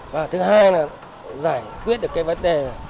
và thứ hai là giải quyết được cái vấn đề này